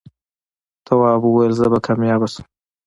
تواب وويل: زه به کامیابه شم.